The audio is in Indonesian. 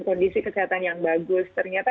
kondisi kesehatan yang bagus ternyata